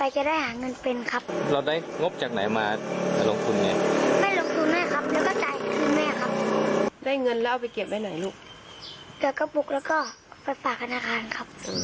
จริงแหละครับ